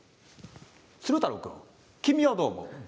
鶴太郎、君はどう思う？